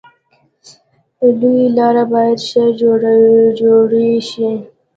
لویې لارې باید ښه جوړې شي.